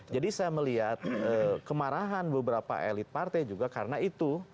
jadi saya melihat kemarahan beberapa elit partai juga karena itu